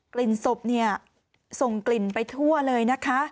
ศพเนี่ยส่งกลิ่นไปทั่วเลยนะคะ